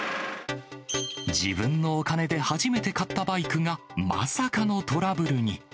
自分のお金で初めて買ったバイクが、まさかのトラブルに。